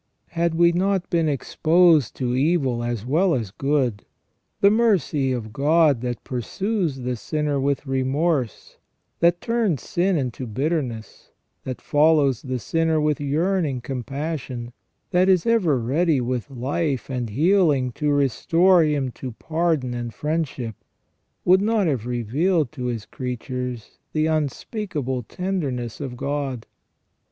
Had we not been exposed to evil as well as good, the mercy of God that pursues the sinner with remorse, that turns sin into bitterness, that follows the sinner with yearning compassion, that is ever ready with life and healing to restore him to pardon and friendship, would not have revealed to His creatures the unspeakable tenderness of God.